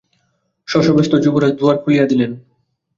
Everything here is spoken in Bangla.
শশব্যস্ত যুবরাজ দুয়ার খুলিয়া দিলেন।